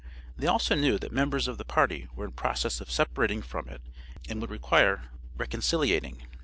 They also knew that members of the party were in process of separating from it and would require reconciliating.